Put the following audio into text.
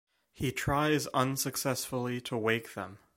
He tries unsuccessfully to wake them.